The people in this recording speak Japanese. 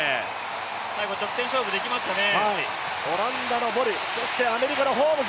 最後直線勝負できますかね。